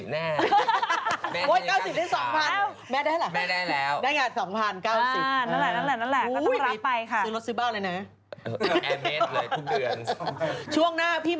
เฮ้ยพี่ม่าไปรับจริงหรอเนี่ย